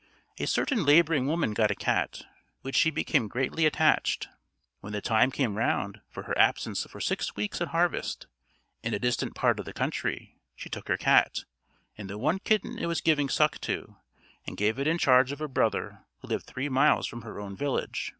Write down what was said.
A certain labouring woman got a cat, to which she became greatly attached. When the time came round, for her absence for six weeks at harvest, in a distant part of the country, she took her cat, and the one kitten it was giving suck to, and gave it in charge of a brother who lived three miles from her own village.